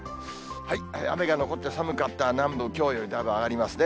雨が残って寒かった南部、きょうよりだいぶ上がりますね。